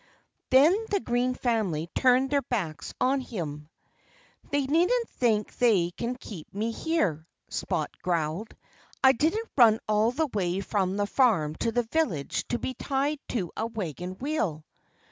Then the Green family turned their backs on him. "They needn't think they can keep me here," Spot growled. "I didn't run all the way from the farm to the village to be tied to a wagon wheel."